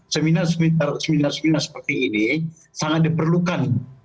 seminar seminar seperti ini sangat diperlukan